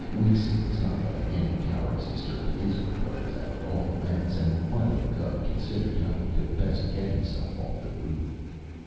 Wixy was not letting any cowardice disturb his repose, at all events, and Philo Gubb considered how he could best get himself off the roof.